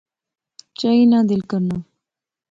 چائی نا دل کرنا